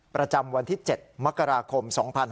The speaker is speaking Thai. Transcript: ประจำวันที่๗มกราคม๒๕๖๒